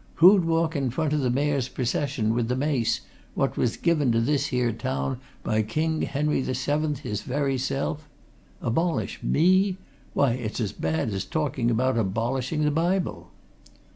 Who'd walk in front o' the Mayor's procession, with the Mace what was give to this here town by King Henry VII, his very self? Abolish me? Why, it's as bad as talking about abolishing the Bible!"